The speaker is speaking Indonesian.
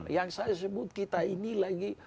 yang saya sebut kita ini lagi